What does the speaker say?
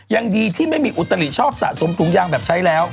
ยังดีที่ไม่มีอุตลิชอบสะสมถุงยางแบบใช้แล้ว